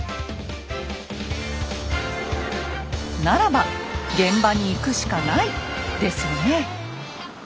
ならば現場に行くしかない！ですよね。